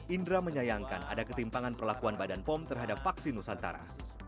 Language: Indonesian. indra menyayangkan ada ketimpangan perlakuan badan pom terhadap vaksin nusantara